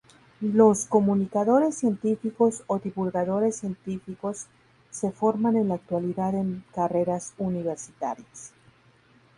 Los comunicadores científicos o divulgadores científicos se forman en la actualidad en carreras universitarias.